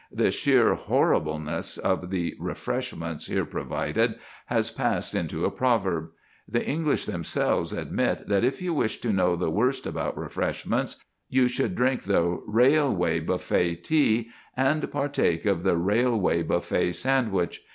The sheer horribleness of the "refreshments" here provided has passed into a proverb. The English themselves admit that if you wish to know the worst about refreshments, you should drink the railway buffet tea and partake of the railway buffet sandwich.